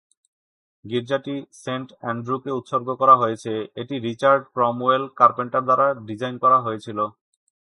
গির্জাটি saint অ্যান্ড্রুকে উৎসর্গ করা হয়েছে, এটি রিচার্ড ক্রমওয়েল কার্পেন্টার দ্বারা ডিজাইন করা হয়েছিল।